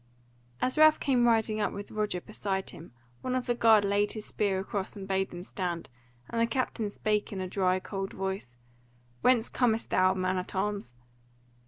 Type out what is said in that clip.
As Ralph came riding up with Roger beside him, one of the guard laid his spear across and bade them stand, and the captain spake in a dry cold voice: "Whence comest thou, man at arms?"